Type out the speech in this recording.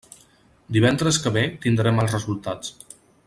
Divendres que ve tindrem els resultats.